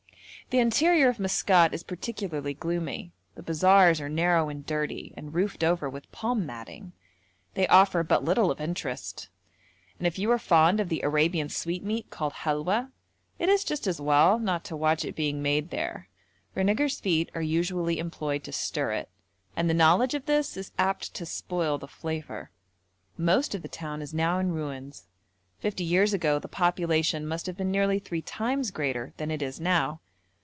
The interior of Maskat is particularly gloomy: the bazaars are narrow and dirty, and roofed over with palm matting; they offer but little of interest, and if you are fond of the Arabian sweetmeat called halwa, it is just as well not to watch it being made there, for niggers' feet are usually employed to stir it, and the knowledge of this is apt to spoil the flavour. Most of the town is now in ruins. Fifty years ago the population must have been nearly three times greater than it is now.